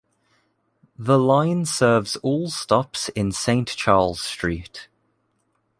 The line serves all stops in Saint-Charles street.